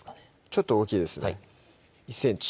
ちょっと大きいですね